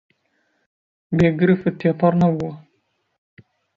بێ گرفت تێپەڕ نەبووە